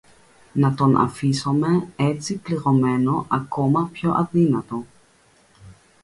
Να τον αφήσομε έτσι πληγωμένο, ακόμα πιο αδύνατο